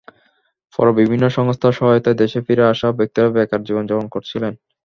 পরে বিভিন্ন সংস্থার সহায়তায় দেশে ফিরে আসা ব্যক্তিরা বেকার জীবনযাপন করছিলেন।